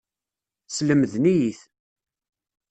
Slemden-iyi-t.